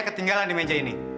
ketinggalan di meja ini